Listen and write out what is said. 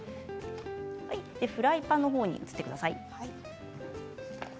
フライパンに移ってください。